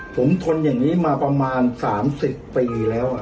ผมทนอย่างนี้มาประมาณสามสิบปีแล้วอ่ะ